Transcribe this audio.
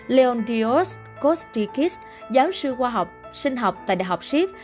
leon dios kostikis giáo sư khoa học sinh học tại đại học sip